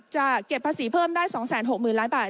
จะเก็บภาษีเพิ่มได้๒๖๐๐๐ล้านบาท